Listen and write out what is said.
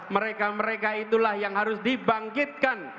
mereka mereka itulah yang harus dibangkitkan